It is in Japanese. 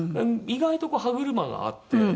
意外とこう歯車が合って。